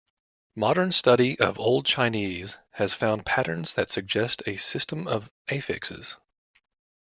Modern study of Old Chinese has found patterns that suggest a system of affixes.